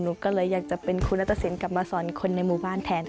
หนูก็เลยอยากจะเป็นคุณรัฐสินกลับมาสอนคนในหมู่บ้านแทน